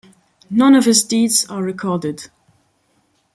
None of his deeds are recorded.